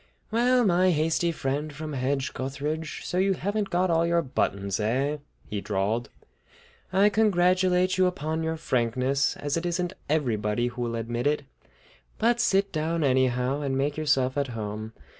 "Well, my hasty friend from Hedge gutheridge, so you haven't got all your buttons, eh?" he drawled. "I congratulate you upon your frankness, as it isn't everybody who will admit it. But sit down, anyhow, and make yourself at home.